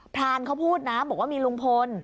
รานเขาพูดนะบอกว่ามีลุงพล